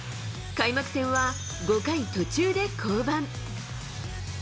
開幕戦は５回途中で降板。